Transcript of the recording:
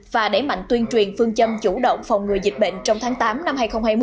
và đẩy mạnh tuyên truyền phương châm chủ động phòng ngừa dịch bệnh trong tháng tám năm hai nghìn hai mươi